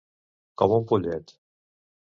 Com un pollet.